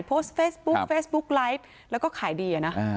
โพสต์เฟสบุ๊กไลค์แล้วก็ขายดี